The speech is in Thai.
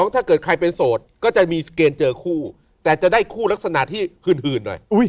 ถ้าเกิดใครเป็นโสดก็จะมีเกณฑ์เจอคู่แต่จะได้คู่ลักษณะที่หื่นหน่อย